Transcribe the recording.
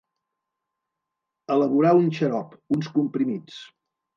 Elaborar un xarop, uns comprimits.